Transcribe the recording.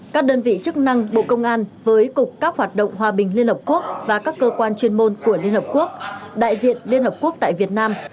các đơn vị chức năng bộ công an với cục các hoạt động hòa bình liên hợp quốc và các cơ quan chuyên môn của liên hợp quốc đại diện liên hợp quốc tại việt nam